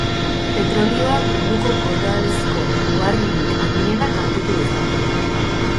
Petrolioak munduko koralezko uharririk handiena kaltetu dezake.